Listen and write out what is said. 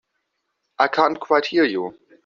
I can't quite hear you.